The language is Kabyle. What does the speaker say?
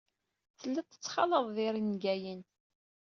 Telliḍ tettxalaḍeḍ irneggayen.